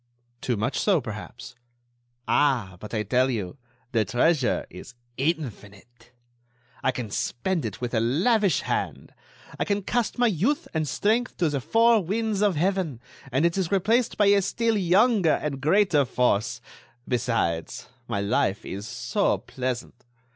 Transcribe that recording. "Too much so, perhaps." "Ah! but I tell you, the treasure is infinite. I can spend it with a lavish hand. I can cast my youth and strength to the four winds of Heaven, and it is replaced by a still younger and greater force. Besides, my life is so pleasant!...